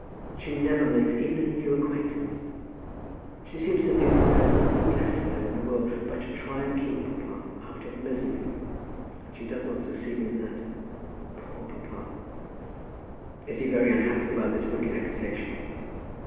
She never makes even a new acquaintance. She seems to think that there is nothing left for her in the world but to try and keep papa out of misery. And she does not succeed in that. Poor papa!" "Is he very unhappy about this wicked accusation?"